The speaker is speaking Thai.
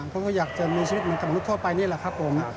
เขาก็อยากจะมีชีวิตเหมือนกับมนุษย์ทั่วไปนี่แหละครับผม